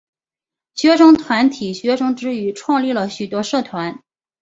学生团体学习之余创立了许多社团。